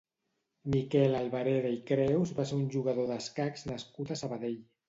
Miquel Albareda i Creus va ser un jugador d'escacs nascut a Sabadell.